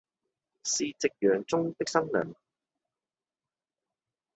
是夕陽中的新娘